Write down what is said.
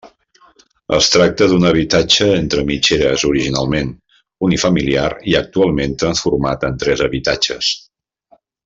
Es tracta d'un habitatge entre mitgeres originalment unifamiliar i actualment transformat en tres habitatges.